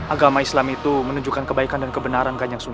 agama islam itu menunjukkan kebaikan dan kebenaran kajang sunan